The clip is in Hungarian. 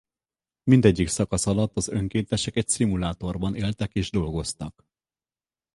Mindegyik szakasz alatt az önkéntesek egy szimulátorban éltek és dolgoztak.